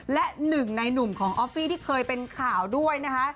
และหนึ่งในหนุ่มของออฟฟี่ที่เคยเป็นข่าวด้วยนะคะ